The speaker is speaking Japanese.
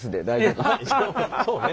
そうね。